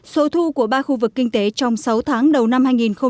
số thu của ba khu vực kinh tế trong sáu tháng đầu năm hai nghìn một mươi chín